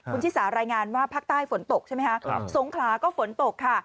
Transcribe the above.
คุณชิสารายงานว่าภาคใต้ฝนตกใช่ไหมคะสงขลาก็ฝนตกค่ะ